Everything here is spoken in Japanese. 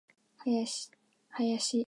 林